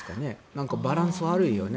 なんかバランス悪いよね。